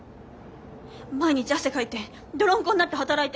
毎日汗かいて泥んこになって働いて。